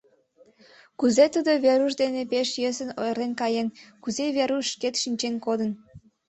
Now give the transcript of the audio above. Кузе тудо Веруш дене пеш йӧсын ойырлен каен, кузе Веруш шкет шинчен кодын.